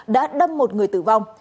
đã đâm một người tử vong